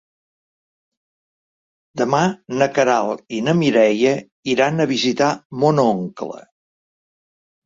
Demà na Queralt i na Mireia iran a visitar mon oncle.